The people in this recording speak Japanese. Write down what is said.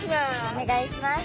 お願いします。